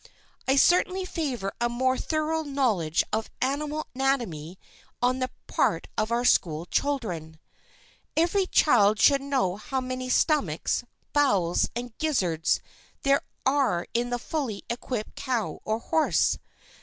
I certainly favor a more thorough knowledge of animal anatomy on the part of our school children. Every child should know how many stomachs, bowels and gizzards there are in the fully equipped cow or horse.